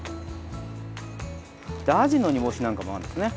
アジの煮干しなんかもあるんですね。